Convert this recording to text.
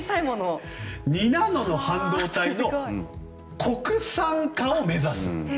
２ナノの半導体の国産化を目指すと。